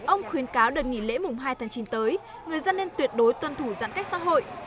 ông khuyến cáo đợt nghỉ lễ mùng hai tháng chín tới người dân nên tuyệt đối tuân thủ giãn cách xã hội